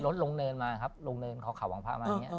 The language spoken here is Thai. รถลงเดินมาครับลงเดินข่าวข่าววังพระมาอย่างนี้